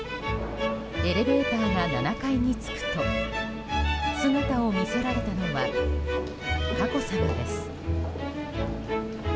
エレベーターが７階に着くと姿を見せられたのは佳子さまです。